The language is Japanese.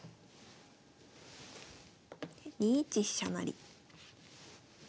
２一飛車成。